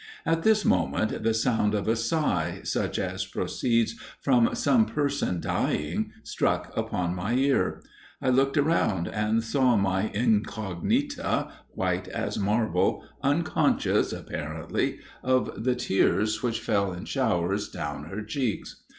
At this moment, the sound of a sigh, such as proceeds from some person dying, struck upon my ear. I looked around, and I saw my incognita, white as marble, unconscious, apparently, of the tears which fell in showers down her cheeks.